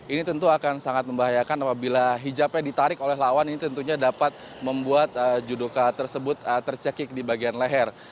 ini tentu akan sangat membahayakan apabila hijab yang ditarik oleh lawan ini tentunya dapat membuat judoka tersebut tercekik di bagian leher